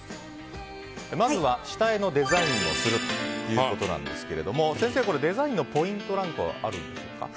まずは下絵のデザインをするということなんですが先生、デザインのポイントはあるんでしょうか？